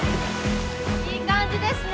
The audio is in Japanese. いい感じですね。